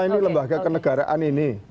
ini lembaga kenegaraan ini